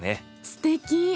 すてき！